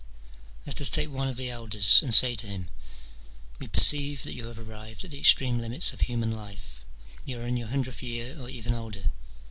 Let us take one of the elders, and say to him, " We perceive that you have arrived at the extreme limits of human life : you are in your hundredth year, or even older.